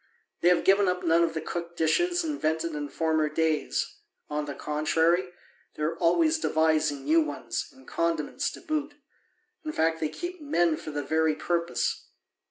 They have given up none of the cooked dishes invented in former days; on the contrary, they are always devising new ones, and condiments to boot: in fact, they keep men for the very purpose.